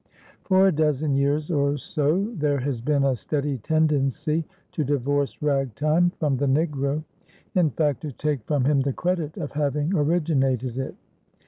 For a dozen years or so there has been a steady tendency to divorce Ragtime from the Negro; in fact, to take from him the credit of having originated it.